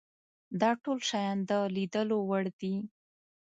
دا ټول شیان د لیدلو وړ دي.